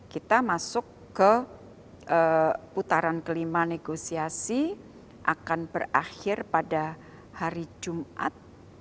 kita masuk ke putaran kelima negosiasi akan berakhir pada hari jumat